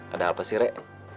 ada apa sih rek